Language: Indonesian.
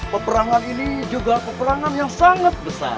peperangan ini juga peperangan yang sangat besar